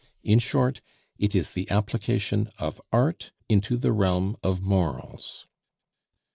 In short, it is the application of art in the realm of morals.